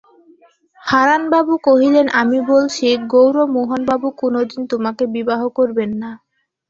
হারানবাবু কহিলেন, আমি বলছি, গৌরমোহনবাবু কোনোদিন তোমাকে বিবাহ করবেন না।